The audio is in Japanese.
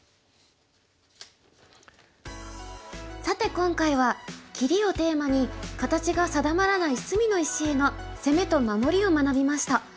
さて今回はキリをテーマに形が定まらない隅の石への攻めと守りを学びました。